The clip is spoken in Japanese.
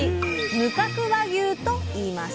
「無角和牛」といいます。